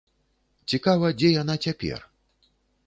Цікава, дзе яна цяпер.